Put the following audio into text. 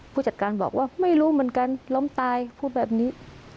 ผู้จัดการบอกว่าไม่รู้เหมือนกันล้มตายพูดแบบนี้